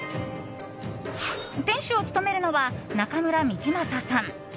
店主を務めるのは中村導昌さん。